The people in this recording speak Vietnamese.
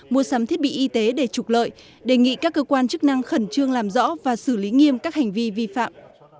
mua sắm thiết bị y tế để trục lợi đề nghị các cơ quan chức năng khẩn trương làm rõ và xử lý nghiêm các hành vi vi phạm